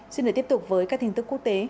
xin để tiếp tục với các thông tin quốc tế